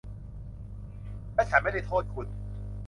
และฉันไม่ได้โทษคุณ